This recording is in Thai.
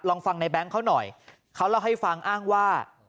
ลองฟังในแง๊งเขาหน่อยเขาเล่าให้ฟังอ้างว่า